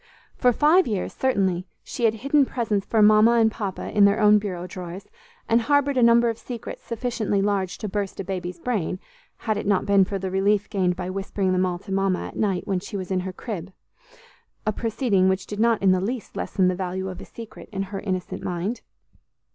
For five years, certainly, she had hidden presents for Mama and Papa in their own bureau drawers, and harbored a number of secrets sufficiently large to burst a baby's brain, had it not been for the relief gained by whispering them all to Mama, at night, when she was in her crib, a proceeding which did not in the least lessen the value of a secret in her innocent mind.